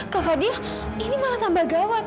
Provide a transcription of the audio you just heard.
kak fadil ini malah tambah gawat